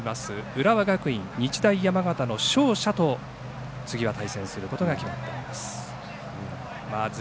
浦和学院、日大山形の勝者と次は対戦することが決まっています。